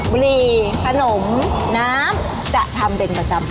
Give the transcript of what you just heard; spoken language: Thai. บุรีขนมน้ำจะทำเป็นประจำ